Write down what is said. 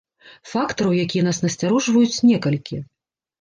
Фактараў, якія нас насцярожваюць, некалькі.